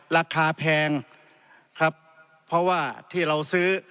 ราคาแพงครับเพราะว่าที่เราซื้อ